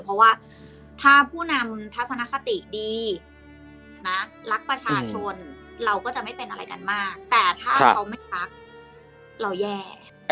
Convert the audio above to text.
เพราะว่าถ้าผู้นำทัศนคติดีนะรักประชาชนเราก็จะไม่เป็นอะไรกันมากแต่ถ้าเขาไม่พักเราแย่